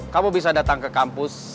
kamu bisa datang ke kampus